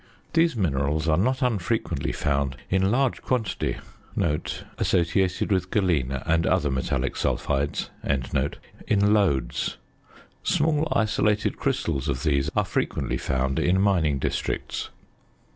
These minerals are not unfrequently found in large quantity (associated with galena and other metallic sulphides) in lodes. Small isolated crystals of these are frequently found in mining districts.